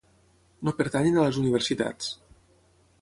No pertanyen a les universitats.